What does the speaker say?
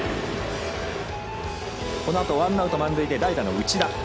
このあと、ワンアウト満塁で代打の内田。